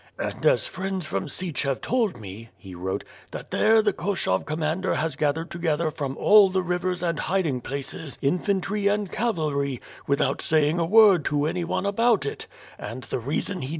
And as friends from Sich have told me — he wrote, "that there the Koshov commander has gathered together from all the rivers and hiding places, infantry and cavalry, without saying a word to anyone about it, and the reason he WITH FIRE AND SWORD.